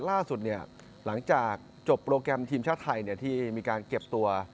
ล่าสุดหลังจากจบโปรแกรมทีมชาติไทยที่มีการเก็บตัว